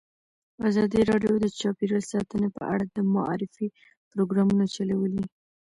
ازادي راډیو د چاپیریال ساتنه په اړه د معارفې پروګرامونه چلولي.